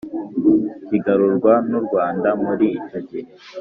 kigarurwa n'u rwanda muri icyo gihe